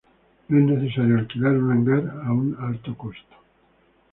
No es necesario alquilar un hangar a un alto costo.